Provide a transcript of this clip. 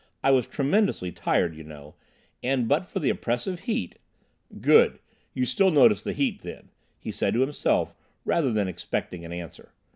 I was tremendously tired, you know, and, but for the oppressive heat—" "Good! You still notice the heat, then," he said to himself, rather than expecting an answer.